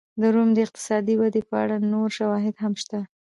د روم د اقتصادي ودې په اړه نور شواهد هم شته